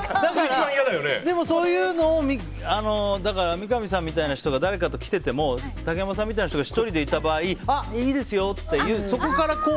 でも、そういうのを三上さんみたいな人が誰かと来てても竹山さんみたいな人が１人でいた場合ああ、いいですよっていう。